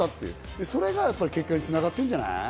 それが結果に繋がってるんじゃない？